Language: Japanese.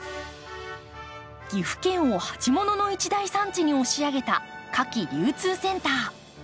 岐阜県を鉢物の一大産地に押し上げた花き流通センター。